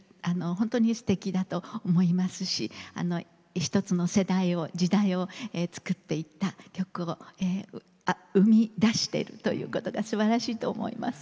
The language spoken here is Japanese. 本当にすてきだと思いますし１つの世代を時代を作っていった曲を生みだしているということがすばらしいと思います。